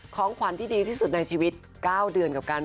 ของขวัญที่ดีที่สุดในชีวิต๙เดือนกับการ